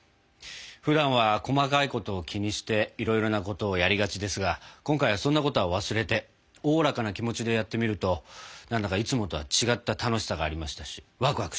ふだんは細かいことを気にしていろいろなことをやりがちですが今回はそんなことは忘れておおらかな気持ちでやってみるとなんだかいつもとは違った楽しさがありましたしわくわくしました。